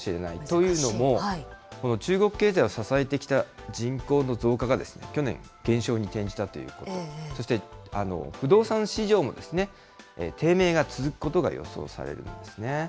というのも、この中国経済を支えてきた人口の増加が、去年、減少に転じたということ、そして不動産市場も低迷が続くことが予想されるんですね。